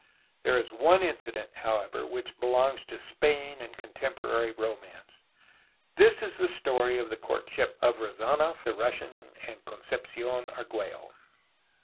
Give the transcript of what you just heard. There is one incident, however, which belongs to Spain and contemporary romance. That is the story of the courtship of Rezdnof the Russian and Concepci6n Argliello.